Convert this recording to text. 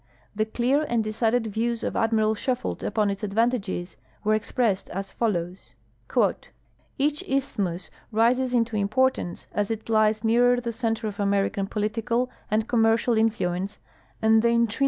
The cl(;ar and decided vieAA's of Admiral Shufeldt upon its ad A'antages Avere exjtresscd as folloAvs: " Kadi iHtliimiH rinoH into importance as it lies ncar(*r tlic center of American political and commercial inlluence, and the intrin.